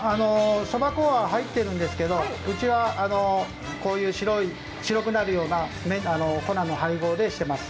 そば粉は入っているんですけど、うちはこういう白くなるような粉の配合でしています。